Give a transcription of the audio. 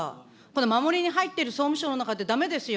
守りに入ってる総務省の中で、だめですよ。